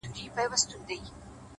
د زړه صفا ارام فکر رامنځته کوي؛